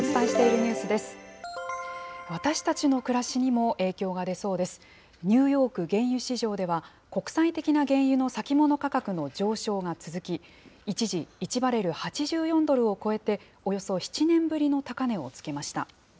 ニューヨーク原油市場では、国際的な原油の先物価格の上昇が続き、一時、１バレル８４ドルを超えて、およそ７年ぶりの高値をつけました。